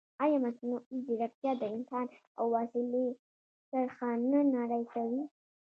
ایا مصنوعي ځیرکتیا د انسان او وسیلې کرښه نه نری کوي؟